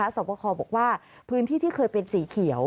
สอบประคอบอกว่าพื้นที่ที่เคยเป็นสีเขียว